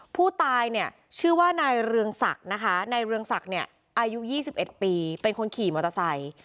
ผู้ตายเนี่ยชื่อว่านายเรืองศักดิ์นะคะนายเรืองศักดิ์เนี่ยอายุ๒๑ปีเป็นคนขี่มอเตอร์ไซค์